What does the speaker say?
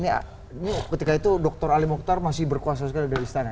ini ketika itu dr ali mukhtar masih berkuasa sekali dari istana